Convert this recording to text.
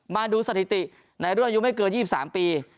มาดูสถิติในรุ่นอายุไม่เกิน๒๓ปี